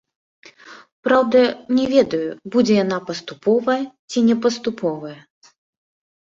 Праўда, не ведаю, будзе яна паступовая ці не паступовая.